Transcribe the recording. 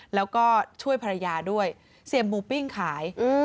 แล้วก็ช่วยภรรยาด้วยเสียบหมูปิ้งขาย